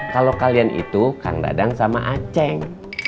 kalau kalian itu kang dadang sama aceh